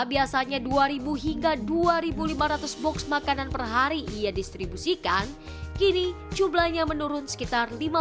biasanya dua ribu hingga dua ribu lima ratus box makanan perhari ia distribusikan kini jumlahnya menurun sekitar